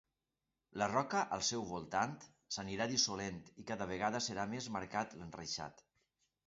La roca al seu voltant s'anirà dissolent i cada vegada serà més marcat l'enreixat.